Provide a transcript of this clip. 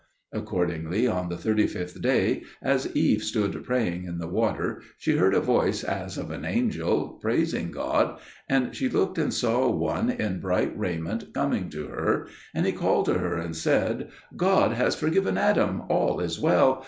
Accordingly, on the thirty fifth day, as Eve stood praying in the water, she heard a voice as of an angel praising God, and she looked and saw one in bright raiment coming to her, and he called to her and said, "God has forgiven Adam! All is well.